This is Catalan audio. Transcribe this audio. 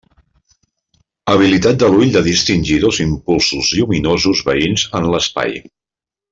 Habilitat de l'ull de distingir dos impulsos lluminosos veïns en l'espai.